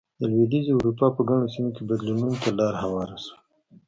د لوېدیځې اروپا په ګڼو سیمو کې بدلونونو ته لار هواره شوه.